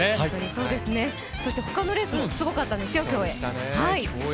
そして他のレースもすごかったんですよ、競泳。